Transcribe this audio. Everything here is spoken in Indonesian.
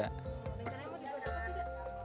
bencannya model apa juga